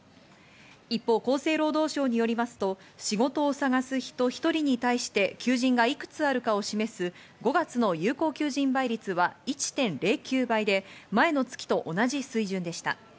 一方、厚生労働省によりますと仕事を探す人１人に対して求人がいくつあるかを示す５月の有効求人倍率は１．０９倍で前の月と同じ水準でした。